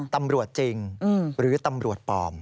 ตำรวจจริงหรือตำรวจปลอม